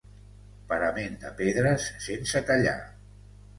Parament de pedres sense tallar.